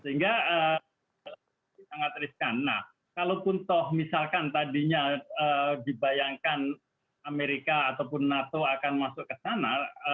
sehingga sangat riskan nah kalaupun toh misalkan tadinya dibayangkan amerika ataupun nato akan masuk ke sana